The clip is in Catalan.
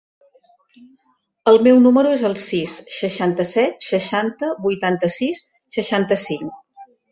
El meu número es el sis, seixanta-set, seixanta, vuitanta-sis, seixanta-cinc.